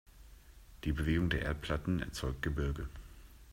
Die Bewegung der Erdplatten erzeugt Gebirge.